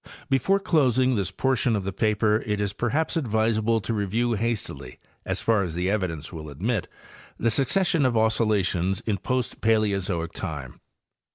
Before closing this portion of the paper it 1s perhaps advisable to review hastily, as far as the evidence will admit, the succes sion of oscillations in post Paleozoic time.